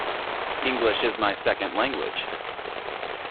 English is my second language.